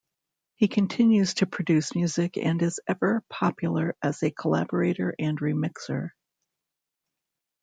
He continues to produce music and is ever popular as a collaborator and remixer.